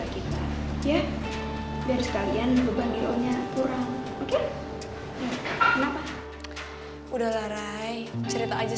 kok gue yang jadi ginnya